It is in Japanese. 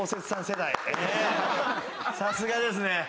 さすがですね。